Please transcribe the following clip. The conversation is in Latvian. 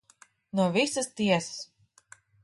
No visas tiesas.